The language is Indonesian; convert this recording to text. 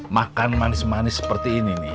makan manis manis seperti ini nih